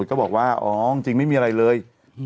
อ๋อจริงความจริงไม่มีอะไรเลยไป